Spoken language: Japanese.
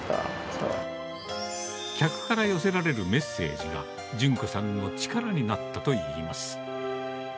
客から寄せられるメッセージが、順子さんの力になったといいます。